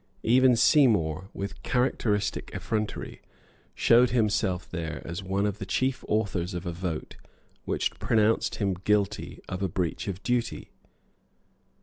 Even Seymour, with characteristic effrontery, showed himself there as one of the chief authors of a vote which pronounced him guilty of a breach of duty.